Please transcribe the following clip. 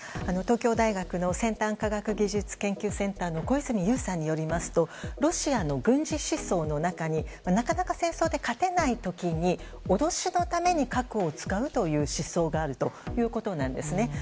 東京大学の先端科学技術センターの小泉悠さんによりますとロシアの軍事思想の中になかなか戦争で勝てない時に脅しのために核を使うという思想があるということなんですね。